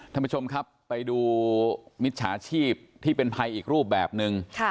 ท่านผู้ชมครับไปดูมิจฉาชีพที่เป็นภัยอีกรูปแบบหนึ่ง